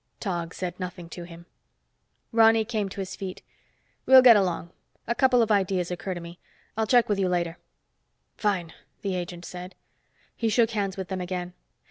Tog said nothing to him. Ronny came to his feet. "We'll get along. A couple of ideas occur to me. I'll check with you later." "Fine," the agent said. He shook hands with them again.